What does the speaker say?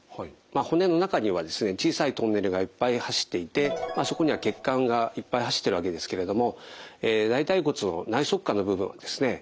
骨の中には小さいトンネルがいっぱい走っていてそこには血管がいっぱい走っているわけですけれども大腿骨の内側顆の部分をですね